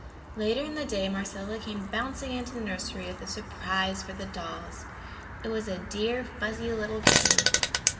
Later in the day Marcella came bouncing into the nursery with a surprise for the dolls. It was a dear fuzzy little kitten.